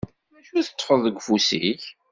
D acu i teṭṭfeḍ deg ufus-ik?